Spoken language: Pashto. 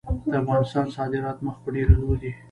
د افغانستان صادرات مخ په ډیریدو دي